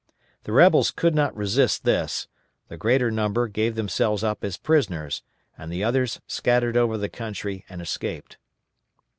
The rebels could not resist this; the greater number gave themselves up as prisoners, and the others scattered over the country and escaped.